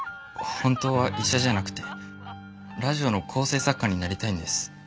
本当は医者じゃなくてラジオの構成作家になりたいんです。